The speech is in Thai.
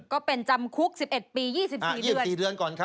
ก็เป็นจำคุก๑๑ปี๒๔เดือน